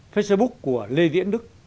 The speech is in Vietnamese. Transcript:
facebook của lê diễn đức